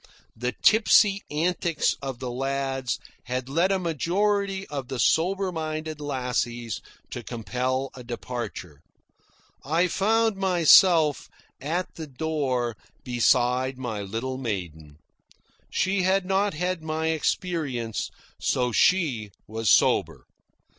The tipsy antics of the lads had led a majority of the soberer minded lassies to compel a departure. I found myself, at the door, beside my little maiden. She had not had my experience, so she was sober.